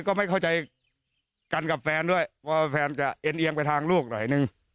ก็ไม่เข้าใจกันกับแฟนด้วยว่าแฟนจะเอ็นเอียงไปทางลูกหน่อยนึง